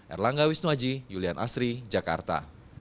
erlangga wisnuaji julian asri jakarta